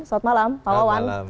selamat malam pak wawan